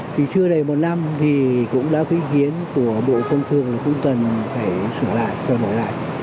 thì chưa đầy một năm thì cũng đã có ý kiến của bộ công thương là cũng cần phải sửa lại sửa đổi lại